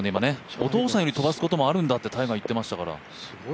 お父さんより飛ばすことがあるんだってタイガー言ってましたから。